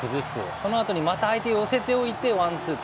そのあとにまた相手を寄せておいてワンツーと。